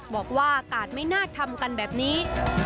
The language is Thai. บอกว่ากาดไม่น่าทำกันแบบนี้